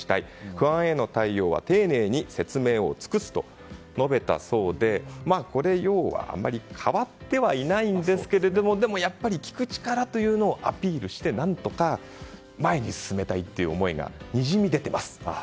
不安への対応は丁寧に説明を尽くすと述べたそうで要は変わってはいないんですがでもやっぱり聞く力というのをアピールして何とか前に進めたいという思いがにじみ出ています。